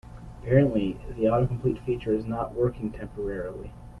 Apparently, the autocomplete feature is not working temporarily.